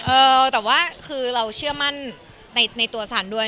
เออแต่ว่าคือเราเชื่อมั่นในตัวสันด้วย